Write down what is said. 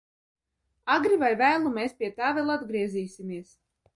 Agri vai vēlu mēs pie tā vēl atgriezīsimies.